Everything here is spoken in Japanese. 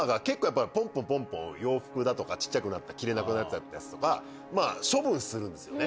洋服だとか小っちゃくなった着れなくなっちゃったやつとか処分するんですよね。